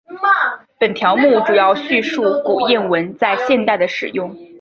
本条目主要叙述古谚文在现代的使用。